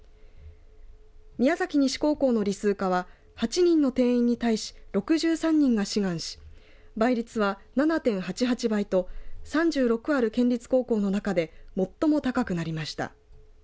宮崎西高校の理数科は８人の定員に対し６３人が志願し、倍率は７．８８倍と３６ある県立高校の中で最も高くなりました。